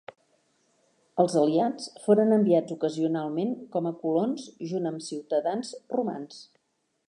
Els aliats foren enviats ocasionalment com a colons junt amb ciutadans romans.